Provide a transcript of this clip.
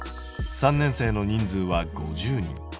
３年生の人数は５０人。